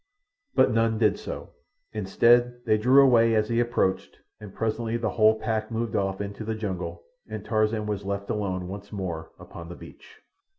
But none did so; instead, they drew away as he approached, and presently the whole pack moved off into the jungle, and Tarzan was left alone once more upon the beach.